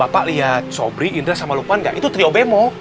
pak lihat sobri indra sama lupan nggak itu trio bemo